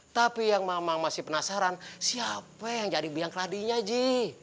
tapi yang memang masih penasaran siapa yang jadi biang keladinya ji